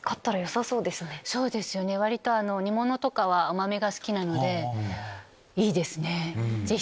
割と煮物とかは甘めが好きなのでいいですね！